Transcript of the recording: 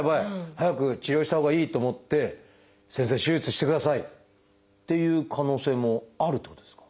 早く治療したほうがいいと思って先生手術してください！っていう可能性もあるってことですか？